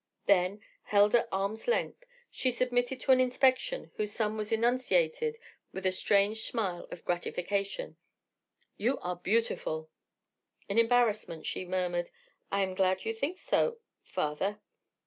Then, held at arm's length, she submitted to an inspection whose sum was enunciated with a strange smile of gratification: "You are beautiful." In embarrassment she murmured: "I am glad you think so—father."